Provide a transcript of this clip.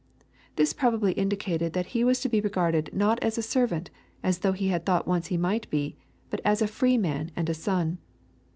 ] This probably indicated that he was to be regarded not as a servant, as he had thought once he might be, but as a free man and a son.